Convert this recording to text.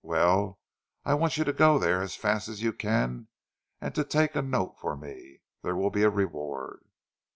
Well, I want you to go there as fast as you can and to take a note for me. There will be a reward."